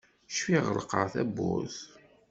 Cfiɣ ɣelqeɣ tawwurt.